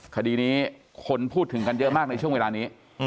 คดีนี้คนพูดถึงกันเยอะมากในช่วงเวลานี้